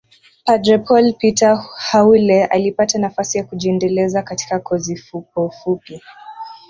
Padre Paul Peter Haule alipata nafasi ya kujiendeleza katika kozi fupofupi